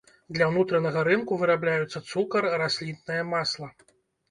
Для ўнутранага рынку вырабляюцца цукар, расліннае масла.